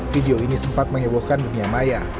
video ini sempat menyebohkan dunia maya